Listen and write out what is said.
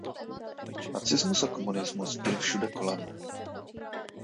Nacismus a komunismus byly všude kolem.